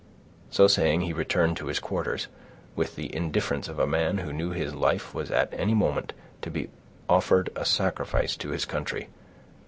So saying, he returned to his quarters, with the indifference of a man who knew his life was at any moment to be offered a sacrifice to his country.